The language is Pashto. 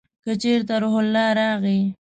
که چېرته روح الله راغی !